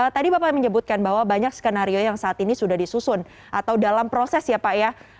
tadi bapak menyebutkan bahwa banyak skenario yang saat ini sudah disusun atau dalam proses ya pak ya